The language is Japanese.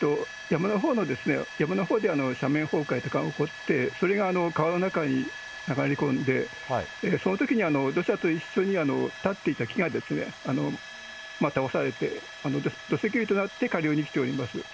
山のほうで斜面崩壊とかが起こって、それが川の中に流れ込んで、そのときに土砂と一緒に立っていた木が倒されて、土石流となって下流に来ております。